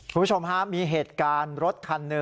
ผู้ชมครับมีเหตุการณ์รถคัน๑